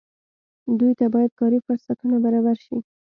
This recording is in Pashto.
دوی ته باید کاري فرصتونه برابر شي.